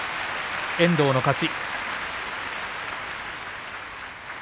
遠藤の勝ち。